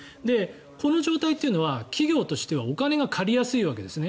この状態っていうのは企業としてはお金が借りやすいわけですね。